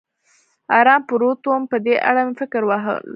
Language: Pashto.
ارام پروت ووم، په دې اړه مې فکرونه وهل.